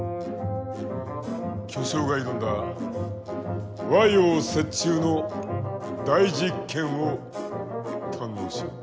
巨匠が挑んだ和洋折衷の大実験を堪能しよう。